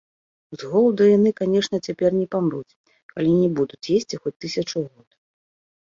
З голаду яны, канешне, цяпер не памруць, калі не будуць есці хоць тысячу год.